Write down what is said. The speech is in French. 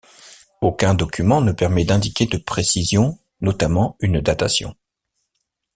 Aucun document ne permet d'indiquer de précision, notamment une datation.